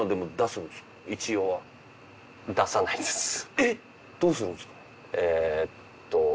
えっどうするんですか？